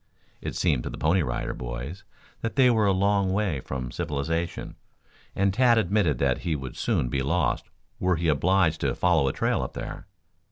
It seemed to the Pony Rider Boys that they were a long way from civilization, and Tad admitted that he would soon be lost were he obliged to follow a trail up there.